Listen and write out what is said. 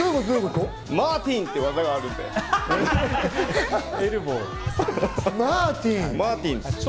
マーティン！っていう技があるんです。